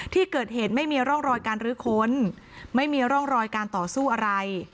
ที่เกิดเหตุไม่มีร่องรอยการรื้อค้นไม่มีร่องรอยการต่อสู้อะไร